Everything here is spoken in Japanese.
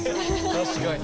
確かに。